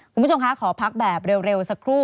คุณผู้ชมคะขอพักแบบเร็วสักครู่